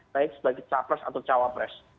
baik sebagai capres atau cawapres